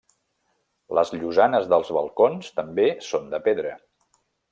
Les llosanes dels balcons també són de pedra.